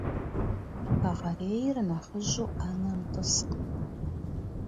Хэгъэрейр нэхъыжьу ӏэнэм тӏыскъым.